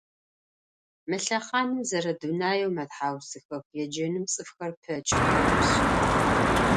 Мы лъэхъаным зэрэдунаеу мэтхьаусыхэх еджэным цӏыфхэр пэкӏых аӏошъ.